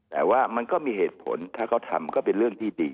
แต่ว่ามันก็มีเหตุผลถ้าเขาทำก็เป็นเรื่องที่ดี